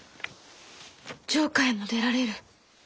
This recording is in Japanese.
城下へも出られる？